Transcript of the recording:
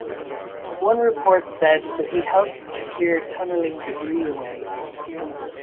One report said that he helped to clear tunneling debris away.